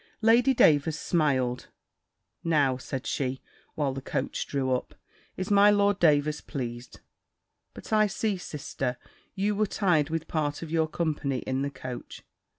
Lady Davers smiled "Now," said she (while the coach drew up), "is my Lord Davers pleased; but I see, sister, you were tired with part of your company in the coach."